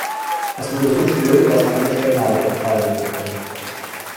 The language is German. Es wurde so still, dass man eine Stecknadel hätte fallen hören können.